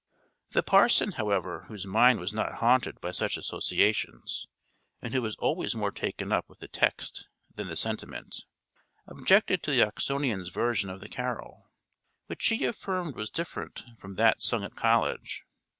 The parson, however, whose mind was not haunted by such associations, and who was always more taken up with the text than the sentiment, objected to the Oxonian's version of the carol; which he affirmed was different from that sung at college.